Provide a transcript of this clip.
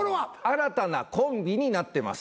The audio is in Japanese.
新たな「こんびに」なってます。